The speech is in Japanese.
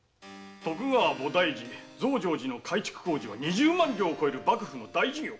徳川菩提寺増上寺の改築工事は二十万両を超える幕府の大事業。